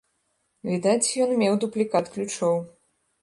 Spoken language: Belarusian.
Відаць, ён меў дублікат ключоў.